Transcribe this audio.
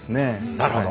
なるほど。